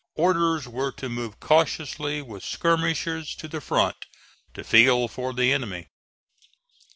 Orders were to move cautiously with skirmishers to the front to feel for the enemy.